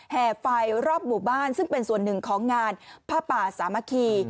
ไฟรอบหมู่บ้านซึ่งเป็นส่วนหนึ่งของงานผ้าป่าสามัคคี